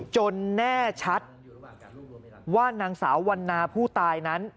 แน่ชัดว่านางสาววันนาผู้ตายนั้น